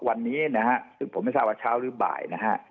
วันนี้นะครับที่ผมไม่ทราบว่าเช้าหรือบ่ายนะครับ